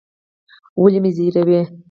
ولي مي زهيروې؟